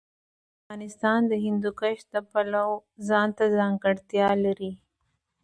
افغانستان د هندوکش د پلوه ځانته ځانګړتیا لري.